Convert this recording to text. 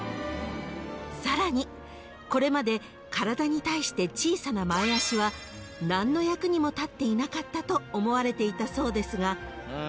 ［さらにこれまで体に対して小さな前足は何の役にも立っていなかったと思われていたそうですが］